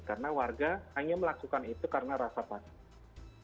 karena warga hanya melakukan itu karena rasa takut